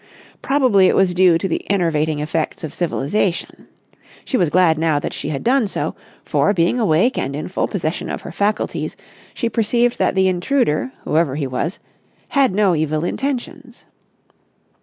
Probably it was due to the enervating effects of civilisation. She was glad now that she had done so, for, being awake and in full possession of her faculties, she perceived that the intruder, whoever he was, had no evil intentions.